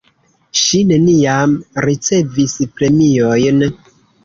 Ŝi neniam ricevis premiojn.